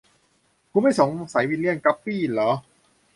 คุณไม่สงสัยวิลเลี่ยม กัปปี้หรอ ?